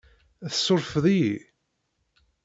Tsurfeḍ-iyi?